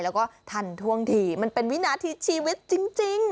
แล้วก็ทันท่วงทีมันเป็นวินาทีชีวิตจริง